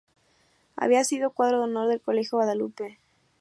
Había sido cuadro de honor del Colegio Guadalupe.